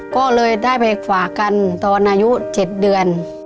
ก็เลยได้ไปฝากกันตอนอายุ๗เดือน